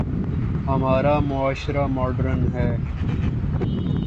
ہمارا معاشرہ ماڈرن ہے۔